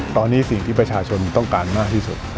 ตอนนี้สิ่งที่ประชาชนต้องการมากที่สุด